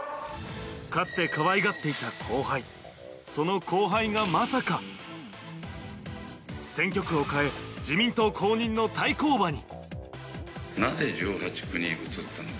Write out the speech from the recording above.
かつてかわいがっていた後輩その後輩がまさか選挙区を変え自民党公認の対抗馬に。